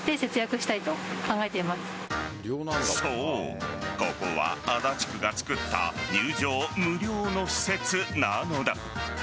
そう、ここは足立区が作った入場無料の施設なのだ。